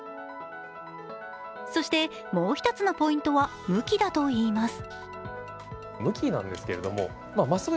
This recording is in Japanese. そして、もう一つのポイントは向きだといいます。